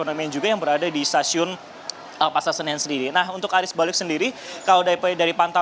nah ini juga cukup menarik bagi masyarakat yang kemudian membawa banyak kalau kita lihat ini ada tidak hanya cuma daerah daerah